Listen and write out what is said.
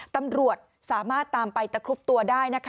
ตำรวจสามารถตามไปตะครุบตัวได้นะคะ